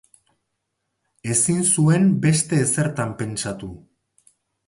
Ezin zuen beste ezertan pentsatu.